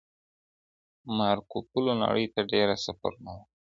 مارکوپولو نړۍ ته ډېر سفرونه وکړل.